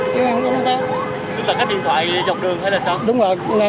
chứ tầng khách điện thoại đi chọc đường hay là sao